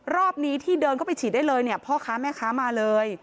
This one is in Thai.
รอบนี้ที่เดินเข้าไปฉีดได้เลยเนี่ยพ่อค้าแม่ค้ามาเลย